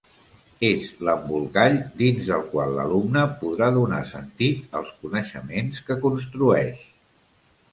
És l'embolcall dins del qual l'alumne podrà donar sentit als coneixements que construeix.